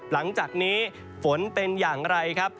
หลังจากนี้ฝนเป็นอย่างไรครับ